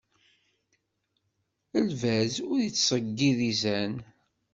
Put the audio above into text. Lbaz ur yettseyyiḍ izan.